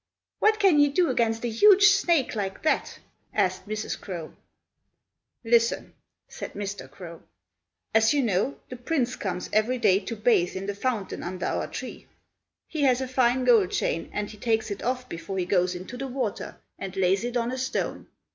"What can you do against a huge snake like that?" asked Mrs. Crow. "Listen!" said Mr. Crow. "As you know, the Prince comes every day to bathe in the fountain under our tree. He has a fine gold chain, and he takes it off before he goes into the water, and lays it on a stone.